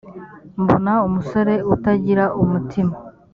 mbona umusore utagira umutima